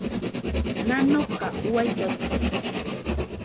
Nanoka uai llote.